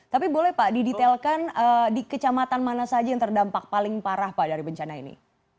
tapi boleh pak didetailkan di kecamatan mana saja yang terdampak paling parah pak dari bencana ini